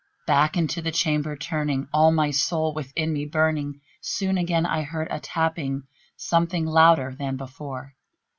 Back into the chamber turning, all my soul within me burning, Soon I heard again a tapping, somewhat louder than before.